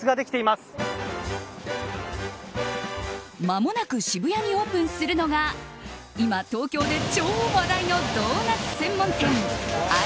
まもなく渋谷にオープンするのが今、東京で超話題のドーナツ専門店Ｉ’ｍｄｏｎｕｔ？